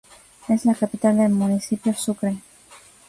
Es la capital del Municipio Sucre.